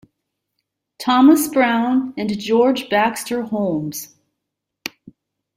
Thomas Brown and George Baxter Holmes.